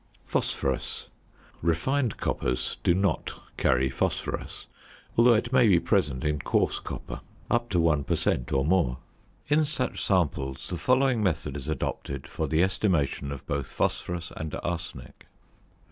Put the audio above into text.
~Phosphorus.~ Refined coppers do not carry phosphorus, although it may be present in "coarse copper" up to 1 per cent. or more. In such samples the following method is adopted for the estimation of both phosphorus and arsenic.